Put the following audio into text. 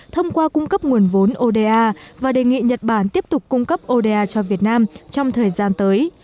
thông qua cung cấp nguồn vốn oda và đề nghị nhật bản tiếp tục cung cấp oda cho việt nam trong thời gian tới